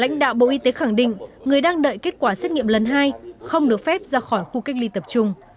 lãnh đạo bộ y tế khẳng định người đang đợi kết quả xét nghiệm lần hai không được phép ra khỏi khu cách ly tập trung